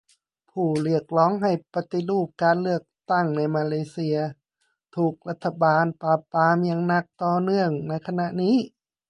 ผู้เรียกร้องให้ปฏิรูปการเลือกตั้งในมาเลเซีย ถูกรัฐบาลปราบปรามอย่างหนักต่อเนื่องในขณะนี้